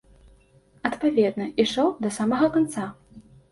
Адпаведна, ішоў да самага канца.